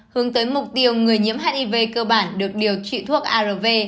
hướng tới mục tiêu người nhiễm hiv cơ bản được điều trị thuốc arv